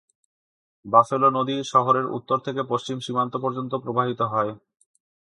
Buffalo নদী শহরের উত্তর থেকে পশ্চিম সীমান্ত পর্যন্ত প্রবাহিত হয়।